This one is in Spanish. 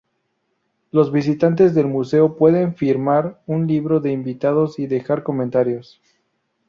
Los visitantes del Museo pueden firmar un libro de invitados y dejar comentarios.